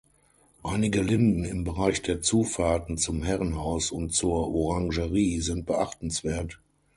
Einige Linden im Bereich der Zufahrten zum Herrenhaus und zur Orangerie sind beachtenswert.